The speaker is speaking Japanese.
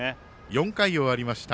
４回終わりました